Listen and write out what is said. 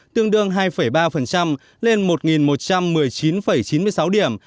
tương đương hai ba lên một một trăm một mươi chín chín mươi sáu điểm